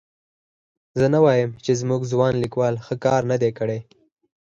زه نه وایم چې زموږ ځوان لیکوال ښه کار نه دی کړی.